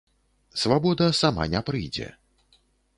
Свабода сама не прыйдзе.